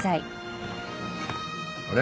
あれ？